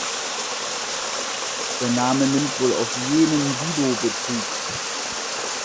Der Name nimmt wohl auf jenen Wido Bezug.